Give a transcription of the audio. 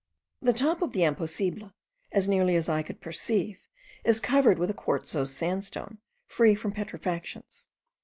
The top of the Imposible, as nearly as I could perceive, is covered with a quartzose sandstone, free from petrifactions.